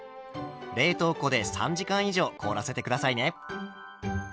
冷凍庫で３時間以上凍らせて下さいね。